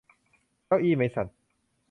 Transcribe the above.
เก้าอี้มั้ยสัส !